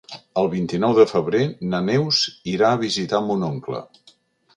El vint-i-nou de febrer na Neus irà a visitar mon oncle.